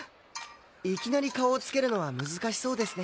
いきなり顔をつけるのは難しそうですね。